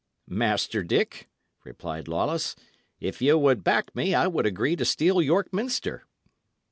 "Master Dick," replied Lawless, "if ye would back me, I would agree to steal York Minster."